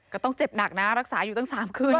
ก็ต้องเจ็บหนักนะรักษาอยู่ตั้ง๓คืน